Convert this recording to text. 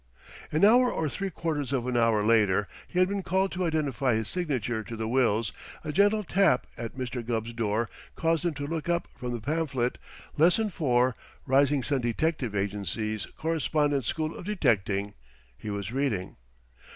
An hour or three quarters of an hour after he had been called to identify his signature to the wills, a gentle tap at Mr. Gubb's door caused him to look up from the pamphlet Lesson Four, Rising Sun Detective Agency's Correspondence School of Detecting he was reading.